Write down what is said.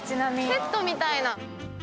セットみたいな。